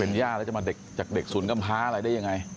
ย่าแล้วจะมาจากเด็กศูนย์กำพาอะไรได้ยังไง